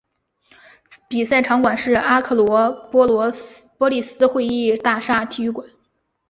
比赛场馆是阿克罗波利斯会议大厦体育馆。